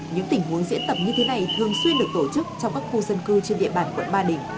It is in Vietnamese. những tình huống diễn tập như thế này thường xuyên được tổ chức trong các khu dân cư trên địa bàn quận ba đình